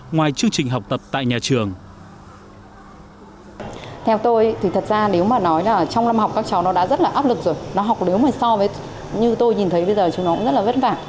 nó học nếu mà so với như tôi nhìn thấy bây giờ chúng nó cũng rất là vất vả